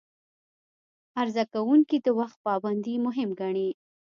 عرضه کوونکي د وخت پابندي مهم ګڼي.